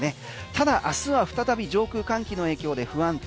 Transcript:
ただ明日は再び上空、寒気の影響で不安定。